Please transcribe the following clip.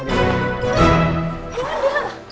eh mana dia